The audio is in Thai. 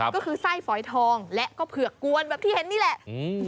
ก็คือไส้ฝอยทองและก็เผือกกวนแบบที่เห็นนี่แหละ